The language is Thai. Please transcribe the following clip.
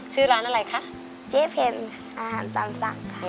ชื่ออาหารอาหารตามสั่ง